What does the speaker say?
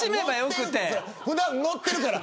普段、乗ってるから。